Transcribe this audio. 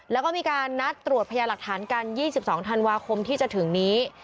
แล้วก็มีการนัดตรวจพยาหลักฐานกัน๒๒ธันวาคมที่จะถึงนี้